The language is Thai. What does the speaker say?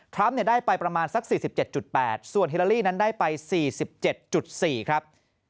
ได้ไปประมาณสัก๔๗๘ส่วนฮิลาลีนั้นได้ไป๔๗๔ครับ